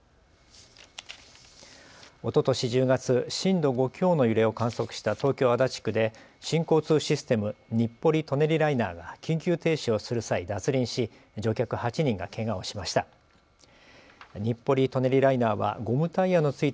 おととし１０月、震度５強の揺れを観測した東京足立区で新交通システム、日暮里・舎人ライナーが緊急停止をする際、脱輪し乗客８人がけがをしました。